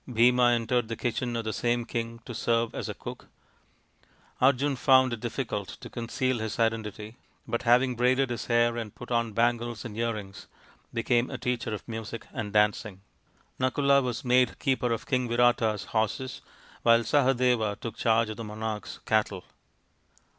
Bhima entered the kitchen of the same king to serve as a cook. Arjun found it difficult to conceal his identity, but having braided his hair and put on bangles and earrings became a teacher of music and dancing, Nakula was made keeper of King Virata's horses, while Sahadeva took charge of the monarch's cattle.